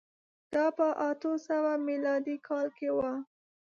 دا په اتو سوه میلادي کال کې و